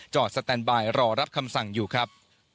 สแตนบายรอรับคำสั่งอยู่ครับ